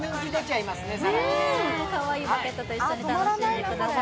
かわいいバケットと一緒に楽しんでください。